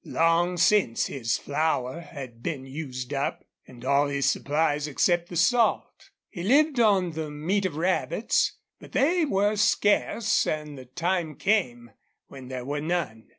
Long since his flour had been used up, and all his supplies except the salt. He lived on the meat of rabbits, but they were scarce, and the time came when there were none.